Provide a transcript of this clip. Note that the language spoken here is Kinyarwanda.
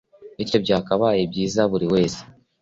bityo byakabaye byiza buri wese